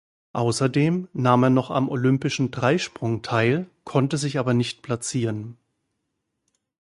Außerdem nahm er noch am olympischen Dreisprung teil, konnte sich aber nicht platzieren.